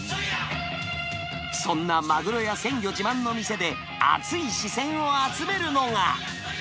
そんなマグロや鮮魚自慢の店で、熱い視線を集めるのが。